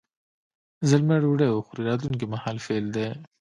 زلمی ډوډۍ وخوري راتلونکي مهال فعل دی.